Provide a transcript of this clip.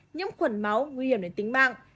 nhiễm khuẩn máu nguy hiểm đến tính mạng